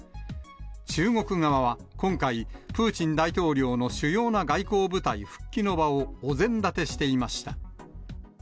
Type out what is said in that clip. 中国側は今回、プーチン大統領の主要な外交舞台復帰の場をお膳立てしていました。